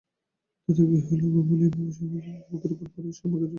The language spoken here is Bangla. দাদা, কী হইল গো বলিয়া বিভা সুরমার বুকের উপরে পড়িয়া সুরমাকে জড়াইয়া ধরিল।